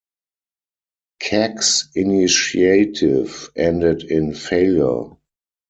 Kak's initiative ended in failure.